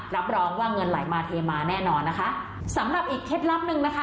รับรองว่าเงินไหลมาเทมาแน่นอนนะคะสำหรับอีกเคล็ดลับหนึ่งนะคะ